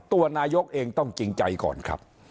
ตัวนายกเองต้องจริงใจก่อนครับ